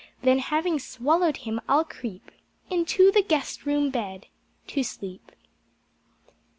Then having swallowed him I'll creep Into the Guest Room Bed to sleep.